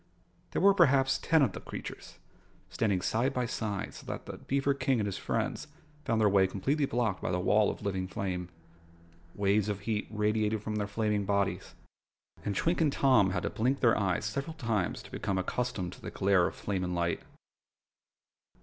There were perhaps ten of the creatures, standing side by side so that the beaver King and his friends found their way completely blocked by this wall of living flame. Waves of heat radiated from their flaming bodies, and Twink and Tom had to blink their eyes several times to become accustomed to the glare of flame and light.